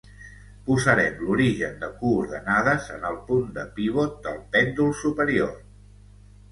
Posarem l'origen de coordenades en el punt de pivot del pèndol superior.